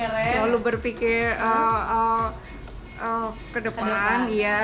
selalu berpikir ke depan